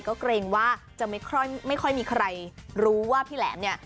ก็เกรงว่าจะไม่ค่อยมีใครรู้ว่าพี่แหลมเนี่ย